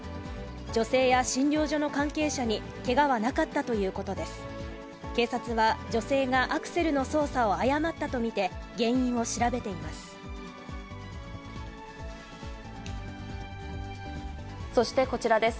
女性や診療所の関係者にけがはなかったということです。